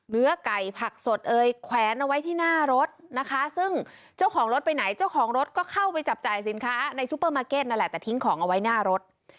เนื้อไก่ผักสดเอ่ยแขวนเอาไว้ที่หน้ารถนะคะซึ่งเจ้าของรถไปไหนเจ้าของรถก็เข้าไปจับจ่ายสินค้าในซูเปอร์มาร์เก็ตนั่นแหละแต่ทิ้งของเอาไว้หน้ารถ